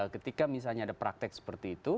ketika misalnya ada praktek seperti itu